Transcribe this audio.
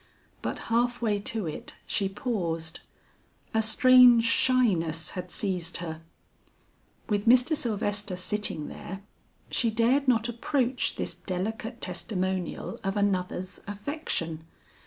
But half way to it she paused. A strange shyness had seized her. With Mr. Sylvester sitting there, she dared not approach this delicate testimonial of another's affection.